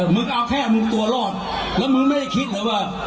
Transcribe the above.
มึงเอาแค่มึงตัวรอดแล้วมึงไม่ได้คิดเลยว่า